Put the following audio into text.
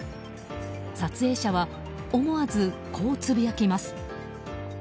撮影者は思わずこうつぶやきます。